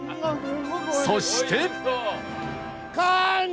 そして